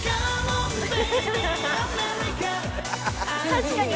確かに！